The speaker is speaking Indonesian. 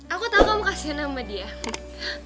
aku tau kamu kasihin nama dia